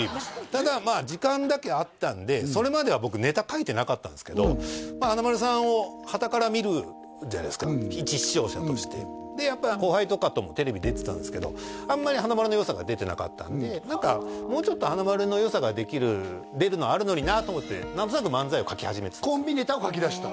ただまあ時間だけあったんでそれまでは僕ネタ書いてなかったんですけど華丸さんをはたから見るじゃないですかいち視聴者としてでやっぱ後輩とかともテレビ出てたんですけど何かもうちょっと華丸のよさが出るのあるのになと思ってコンビネタを書きだした？